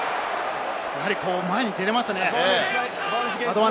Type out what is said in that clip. やはり前に出れますね。